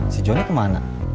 si jonny kemana